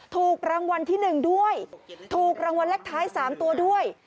ถูกรางวัลที่๑ด้วยถูกรางวัลเลขท้าย๓ตัวด้วย